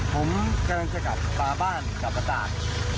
ผมกำลังจะไปกลายบ้านกลับมาตราบ